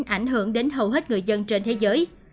ảnh hưởng đến hầu hết người dân trên thế giới